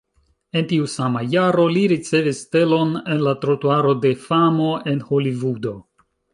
En tiu sama jaro li ricevis stelon en la Trotuaro de famo en Holivudo.